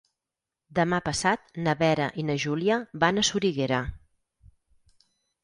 Demà passat na Vera i na Júlia van a Soriguera.